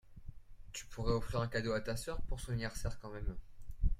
Tu pourrais offrir un cadeau à ta soeur pour son anniversaire quand même.